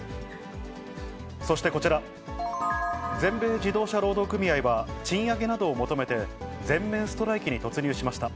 そしてこちら、全米自動車労働組合は賃上げなどを求めて、全面ストライキに突入しました。